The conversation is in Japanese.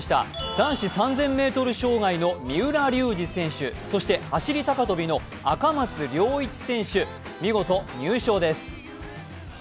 男子３０００ｍ障害の三浦龍司選手、そして走高跳の赤松諒一選手、見事入賞です。